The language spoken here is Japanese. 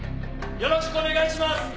よろしくお願いします。